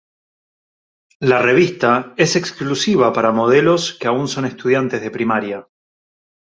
La revista es exclusiva para modelos que aún son estudiantes de primaria.